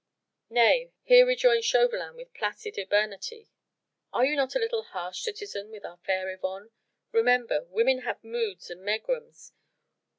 "Nay!" here rejoined Chauvelin with placid urbanity, "are you not a little harsh, citizen, with our fair Yvonne? Remember! Women have moods and megrims.